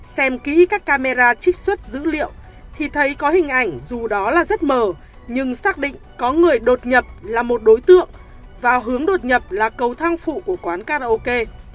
xem kỹ các camera trích xuất dữ liệu thì thấy có hình ảnh dù đó là rất mở nhưng xác định có người đột nhập là một đối tượng và hướng đột nhập là cầu thang phụ của quán karaoke